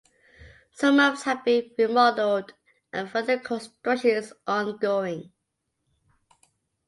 Some homes have been remodeled, and further construction is ongoing.